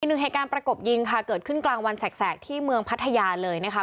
หนึ่งเหตุการณ์ประกบยิงค่ะเกิดขึ้นกลางวันแสกที่เมืองพัทยาเลยนะคะ